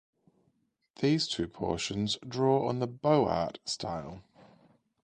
These two portions draw on the Beaux-Art style.